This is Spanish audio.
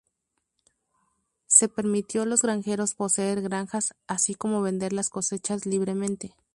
Se permitió a los granjeros poseer granjas, así como vender las cosechas libremente.